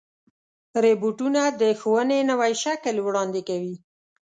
روبوټونه د ښوونې نوی شکل وړاندې کوي.